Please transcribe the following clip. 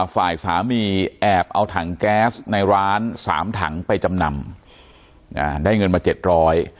ฝ่ายสามีแอบเอาถังแก๊สในร้านสามถังไปจำนำได้เงินมาเจ็ดร้อย